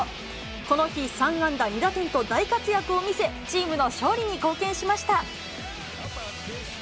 この日、３安打２打点と、大活躍を見せ、チームの勝利に貢献しました。